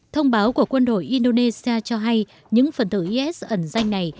thông báo của quân đội indonesia cho hay những phần tử is ẩn danh này